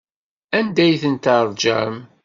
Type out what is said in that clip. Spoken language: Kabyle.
Anda ay ten-teṛjam?